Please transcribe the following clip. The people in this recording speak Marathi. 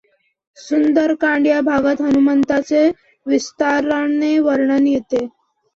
सुंदर कांड या भागात हनुमंताचे विस्ताराने वर्णन येते.